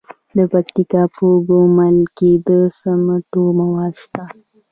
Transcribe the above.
د پکتیکا په ګومل کې د سمنټو مواد شته.